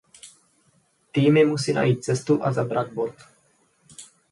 Týmy musí najít cestu a zabrat bod.